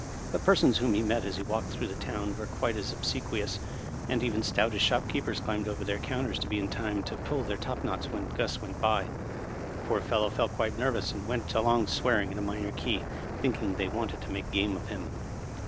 But persons whom he met as he walked through the town were quite as obsequious, and even stoutish shop men climbed over their counters to be in time to pull their top knots when Gus went by. The poor fellow felt quite nervous, and went along swearing in a minor key, thinking they wanted to make game of him.